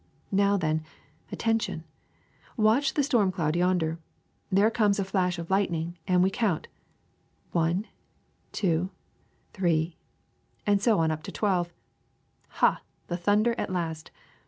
^^Now, then, attention! Watch the storm cloud yonder. There comes a flash of lightning, and we count : one, two, three, and so on up to twelve. Ha ! the thunder at last.